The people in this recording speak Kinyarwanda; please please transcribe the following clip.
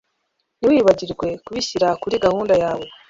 Ntiwibagirwe kubishyira kuri gahunda yawe